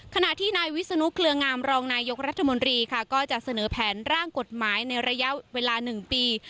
ขณะที่นายวิศนุเคลืองามรองนายกรัฐมนตรีค่ะก็จะเสนอแผนร่างกฎหมายในระยะเวลา๑ปี